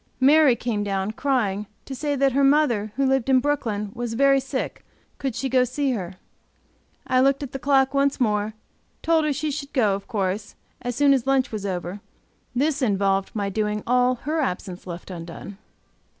Mary came down, crying, to say that her mother, who lived in Brooklyn, was very sick; could she go to see her? I looked at the clock once more; told her she should go, of course, as soon as lunch was over; this involved my doing all her absence left undone.